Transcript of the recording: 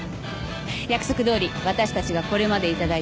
約束どおり私たちがこれまで頂いた